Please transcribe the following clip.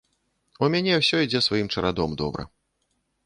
У мяне ўсё ідзе сваім чарадом добра.